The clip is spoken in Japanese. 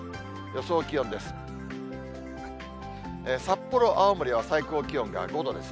予想気温です。